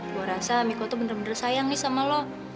gue rasa miko itu bener bener sayang nih sama lo